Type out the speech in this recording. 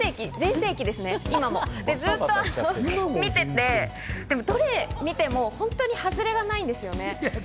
ずっと見てて、どれ見ても本当にハズレがないんですよね。